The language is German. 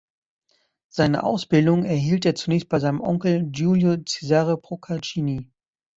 Seine Ausbildung erhielt er zunächst bei seinem Onkel Giulio Cesare Procaccini.